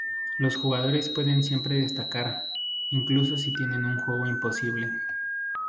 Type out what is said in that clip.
Los jugadores pueden siempre descartar, incluso si tienen un juego disponible.